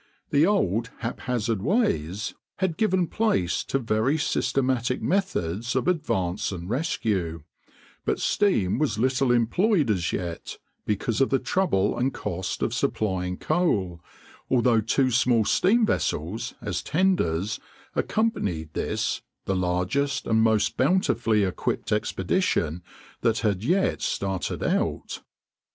The old haphazard ways had given place to very systematic methods of advance and rescue; but steam was little employed as yet, because of the trouble and cost of supplying coal, although two small steam vessels, as tenders, accompanied this, the largest and most bountifully equipped expedition that had yet started out.